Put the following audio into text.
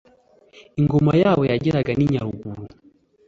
Ingoma yabo yageraga n'i Nyaruguru